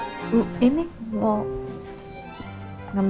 sekarang mau ngeliatin kamu sampai kamu